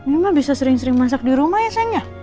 memang bisa sering sering masak di rumah ya sayangnya